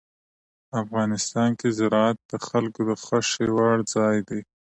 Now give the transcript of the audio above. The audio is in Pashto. افغانستان کې زراعت د خلکو د خوښې وړ ځای دی.